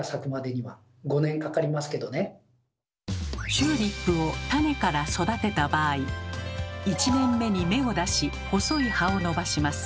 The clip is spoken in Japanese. チューリップを種から育てた場合１年目に芽を出し細い葉を伸ばします。